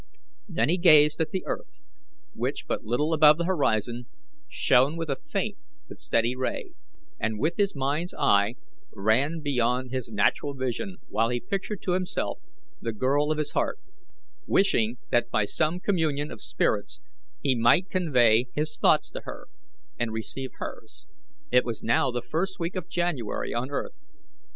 Then he gazed at the earth, which, but little above the horizon, shone with a faint but steady ray, and his mind's eye ran beyond his natural vision while he pictured to himself the girl of his heart, wishing that by some communion of spirits he might convey his thoughts to her, and receive hers. It was now the first week of January on earth.